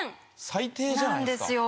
最低じゃないですか。